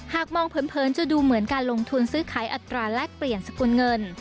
หากมองเผินจะดูเหมือนการลงทุนซื้อขายอัตราแลกเปลี่ยนสกุลเงิน